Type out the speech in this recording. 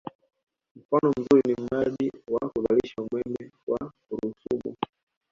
Mfano mzuri ni mradi wa kuzalisha umeme wa Rusumo